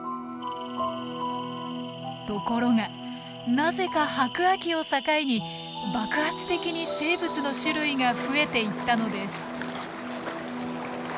ところがなぜか白亜紀を境に爆発的に生物の種類が増えていったのです。